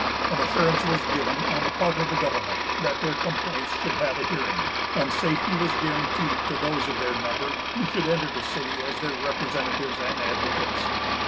An assurance was given, on the part of the government, that their complaints should have a hearing; and safety was guarantied to those of their number who should enter the city as their representatives and advocates.